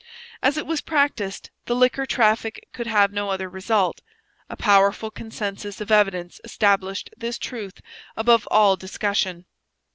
As it was practised, the liquor traffic could have no other result. A powerful consensus of evidence established this truth above all discussion.